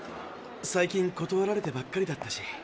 最近断られてばっかりだったし。